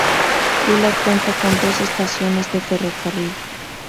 Tula cuenta con dos estaciones de ferrocarril.